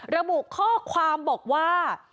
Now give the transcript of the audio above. ระบุข้อความบอกว่า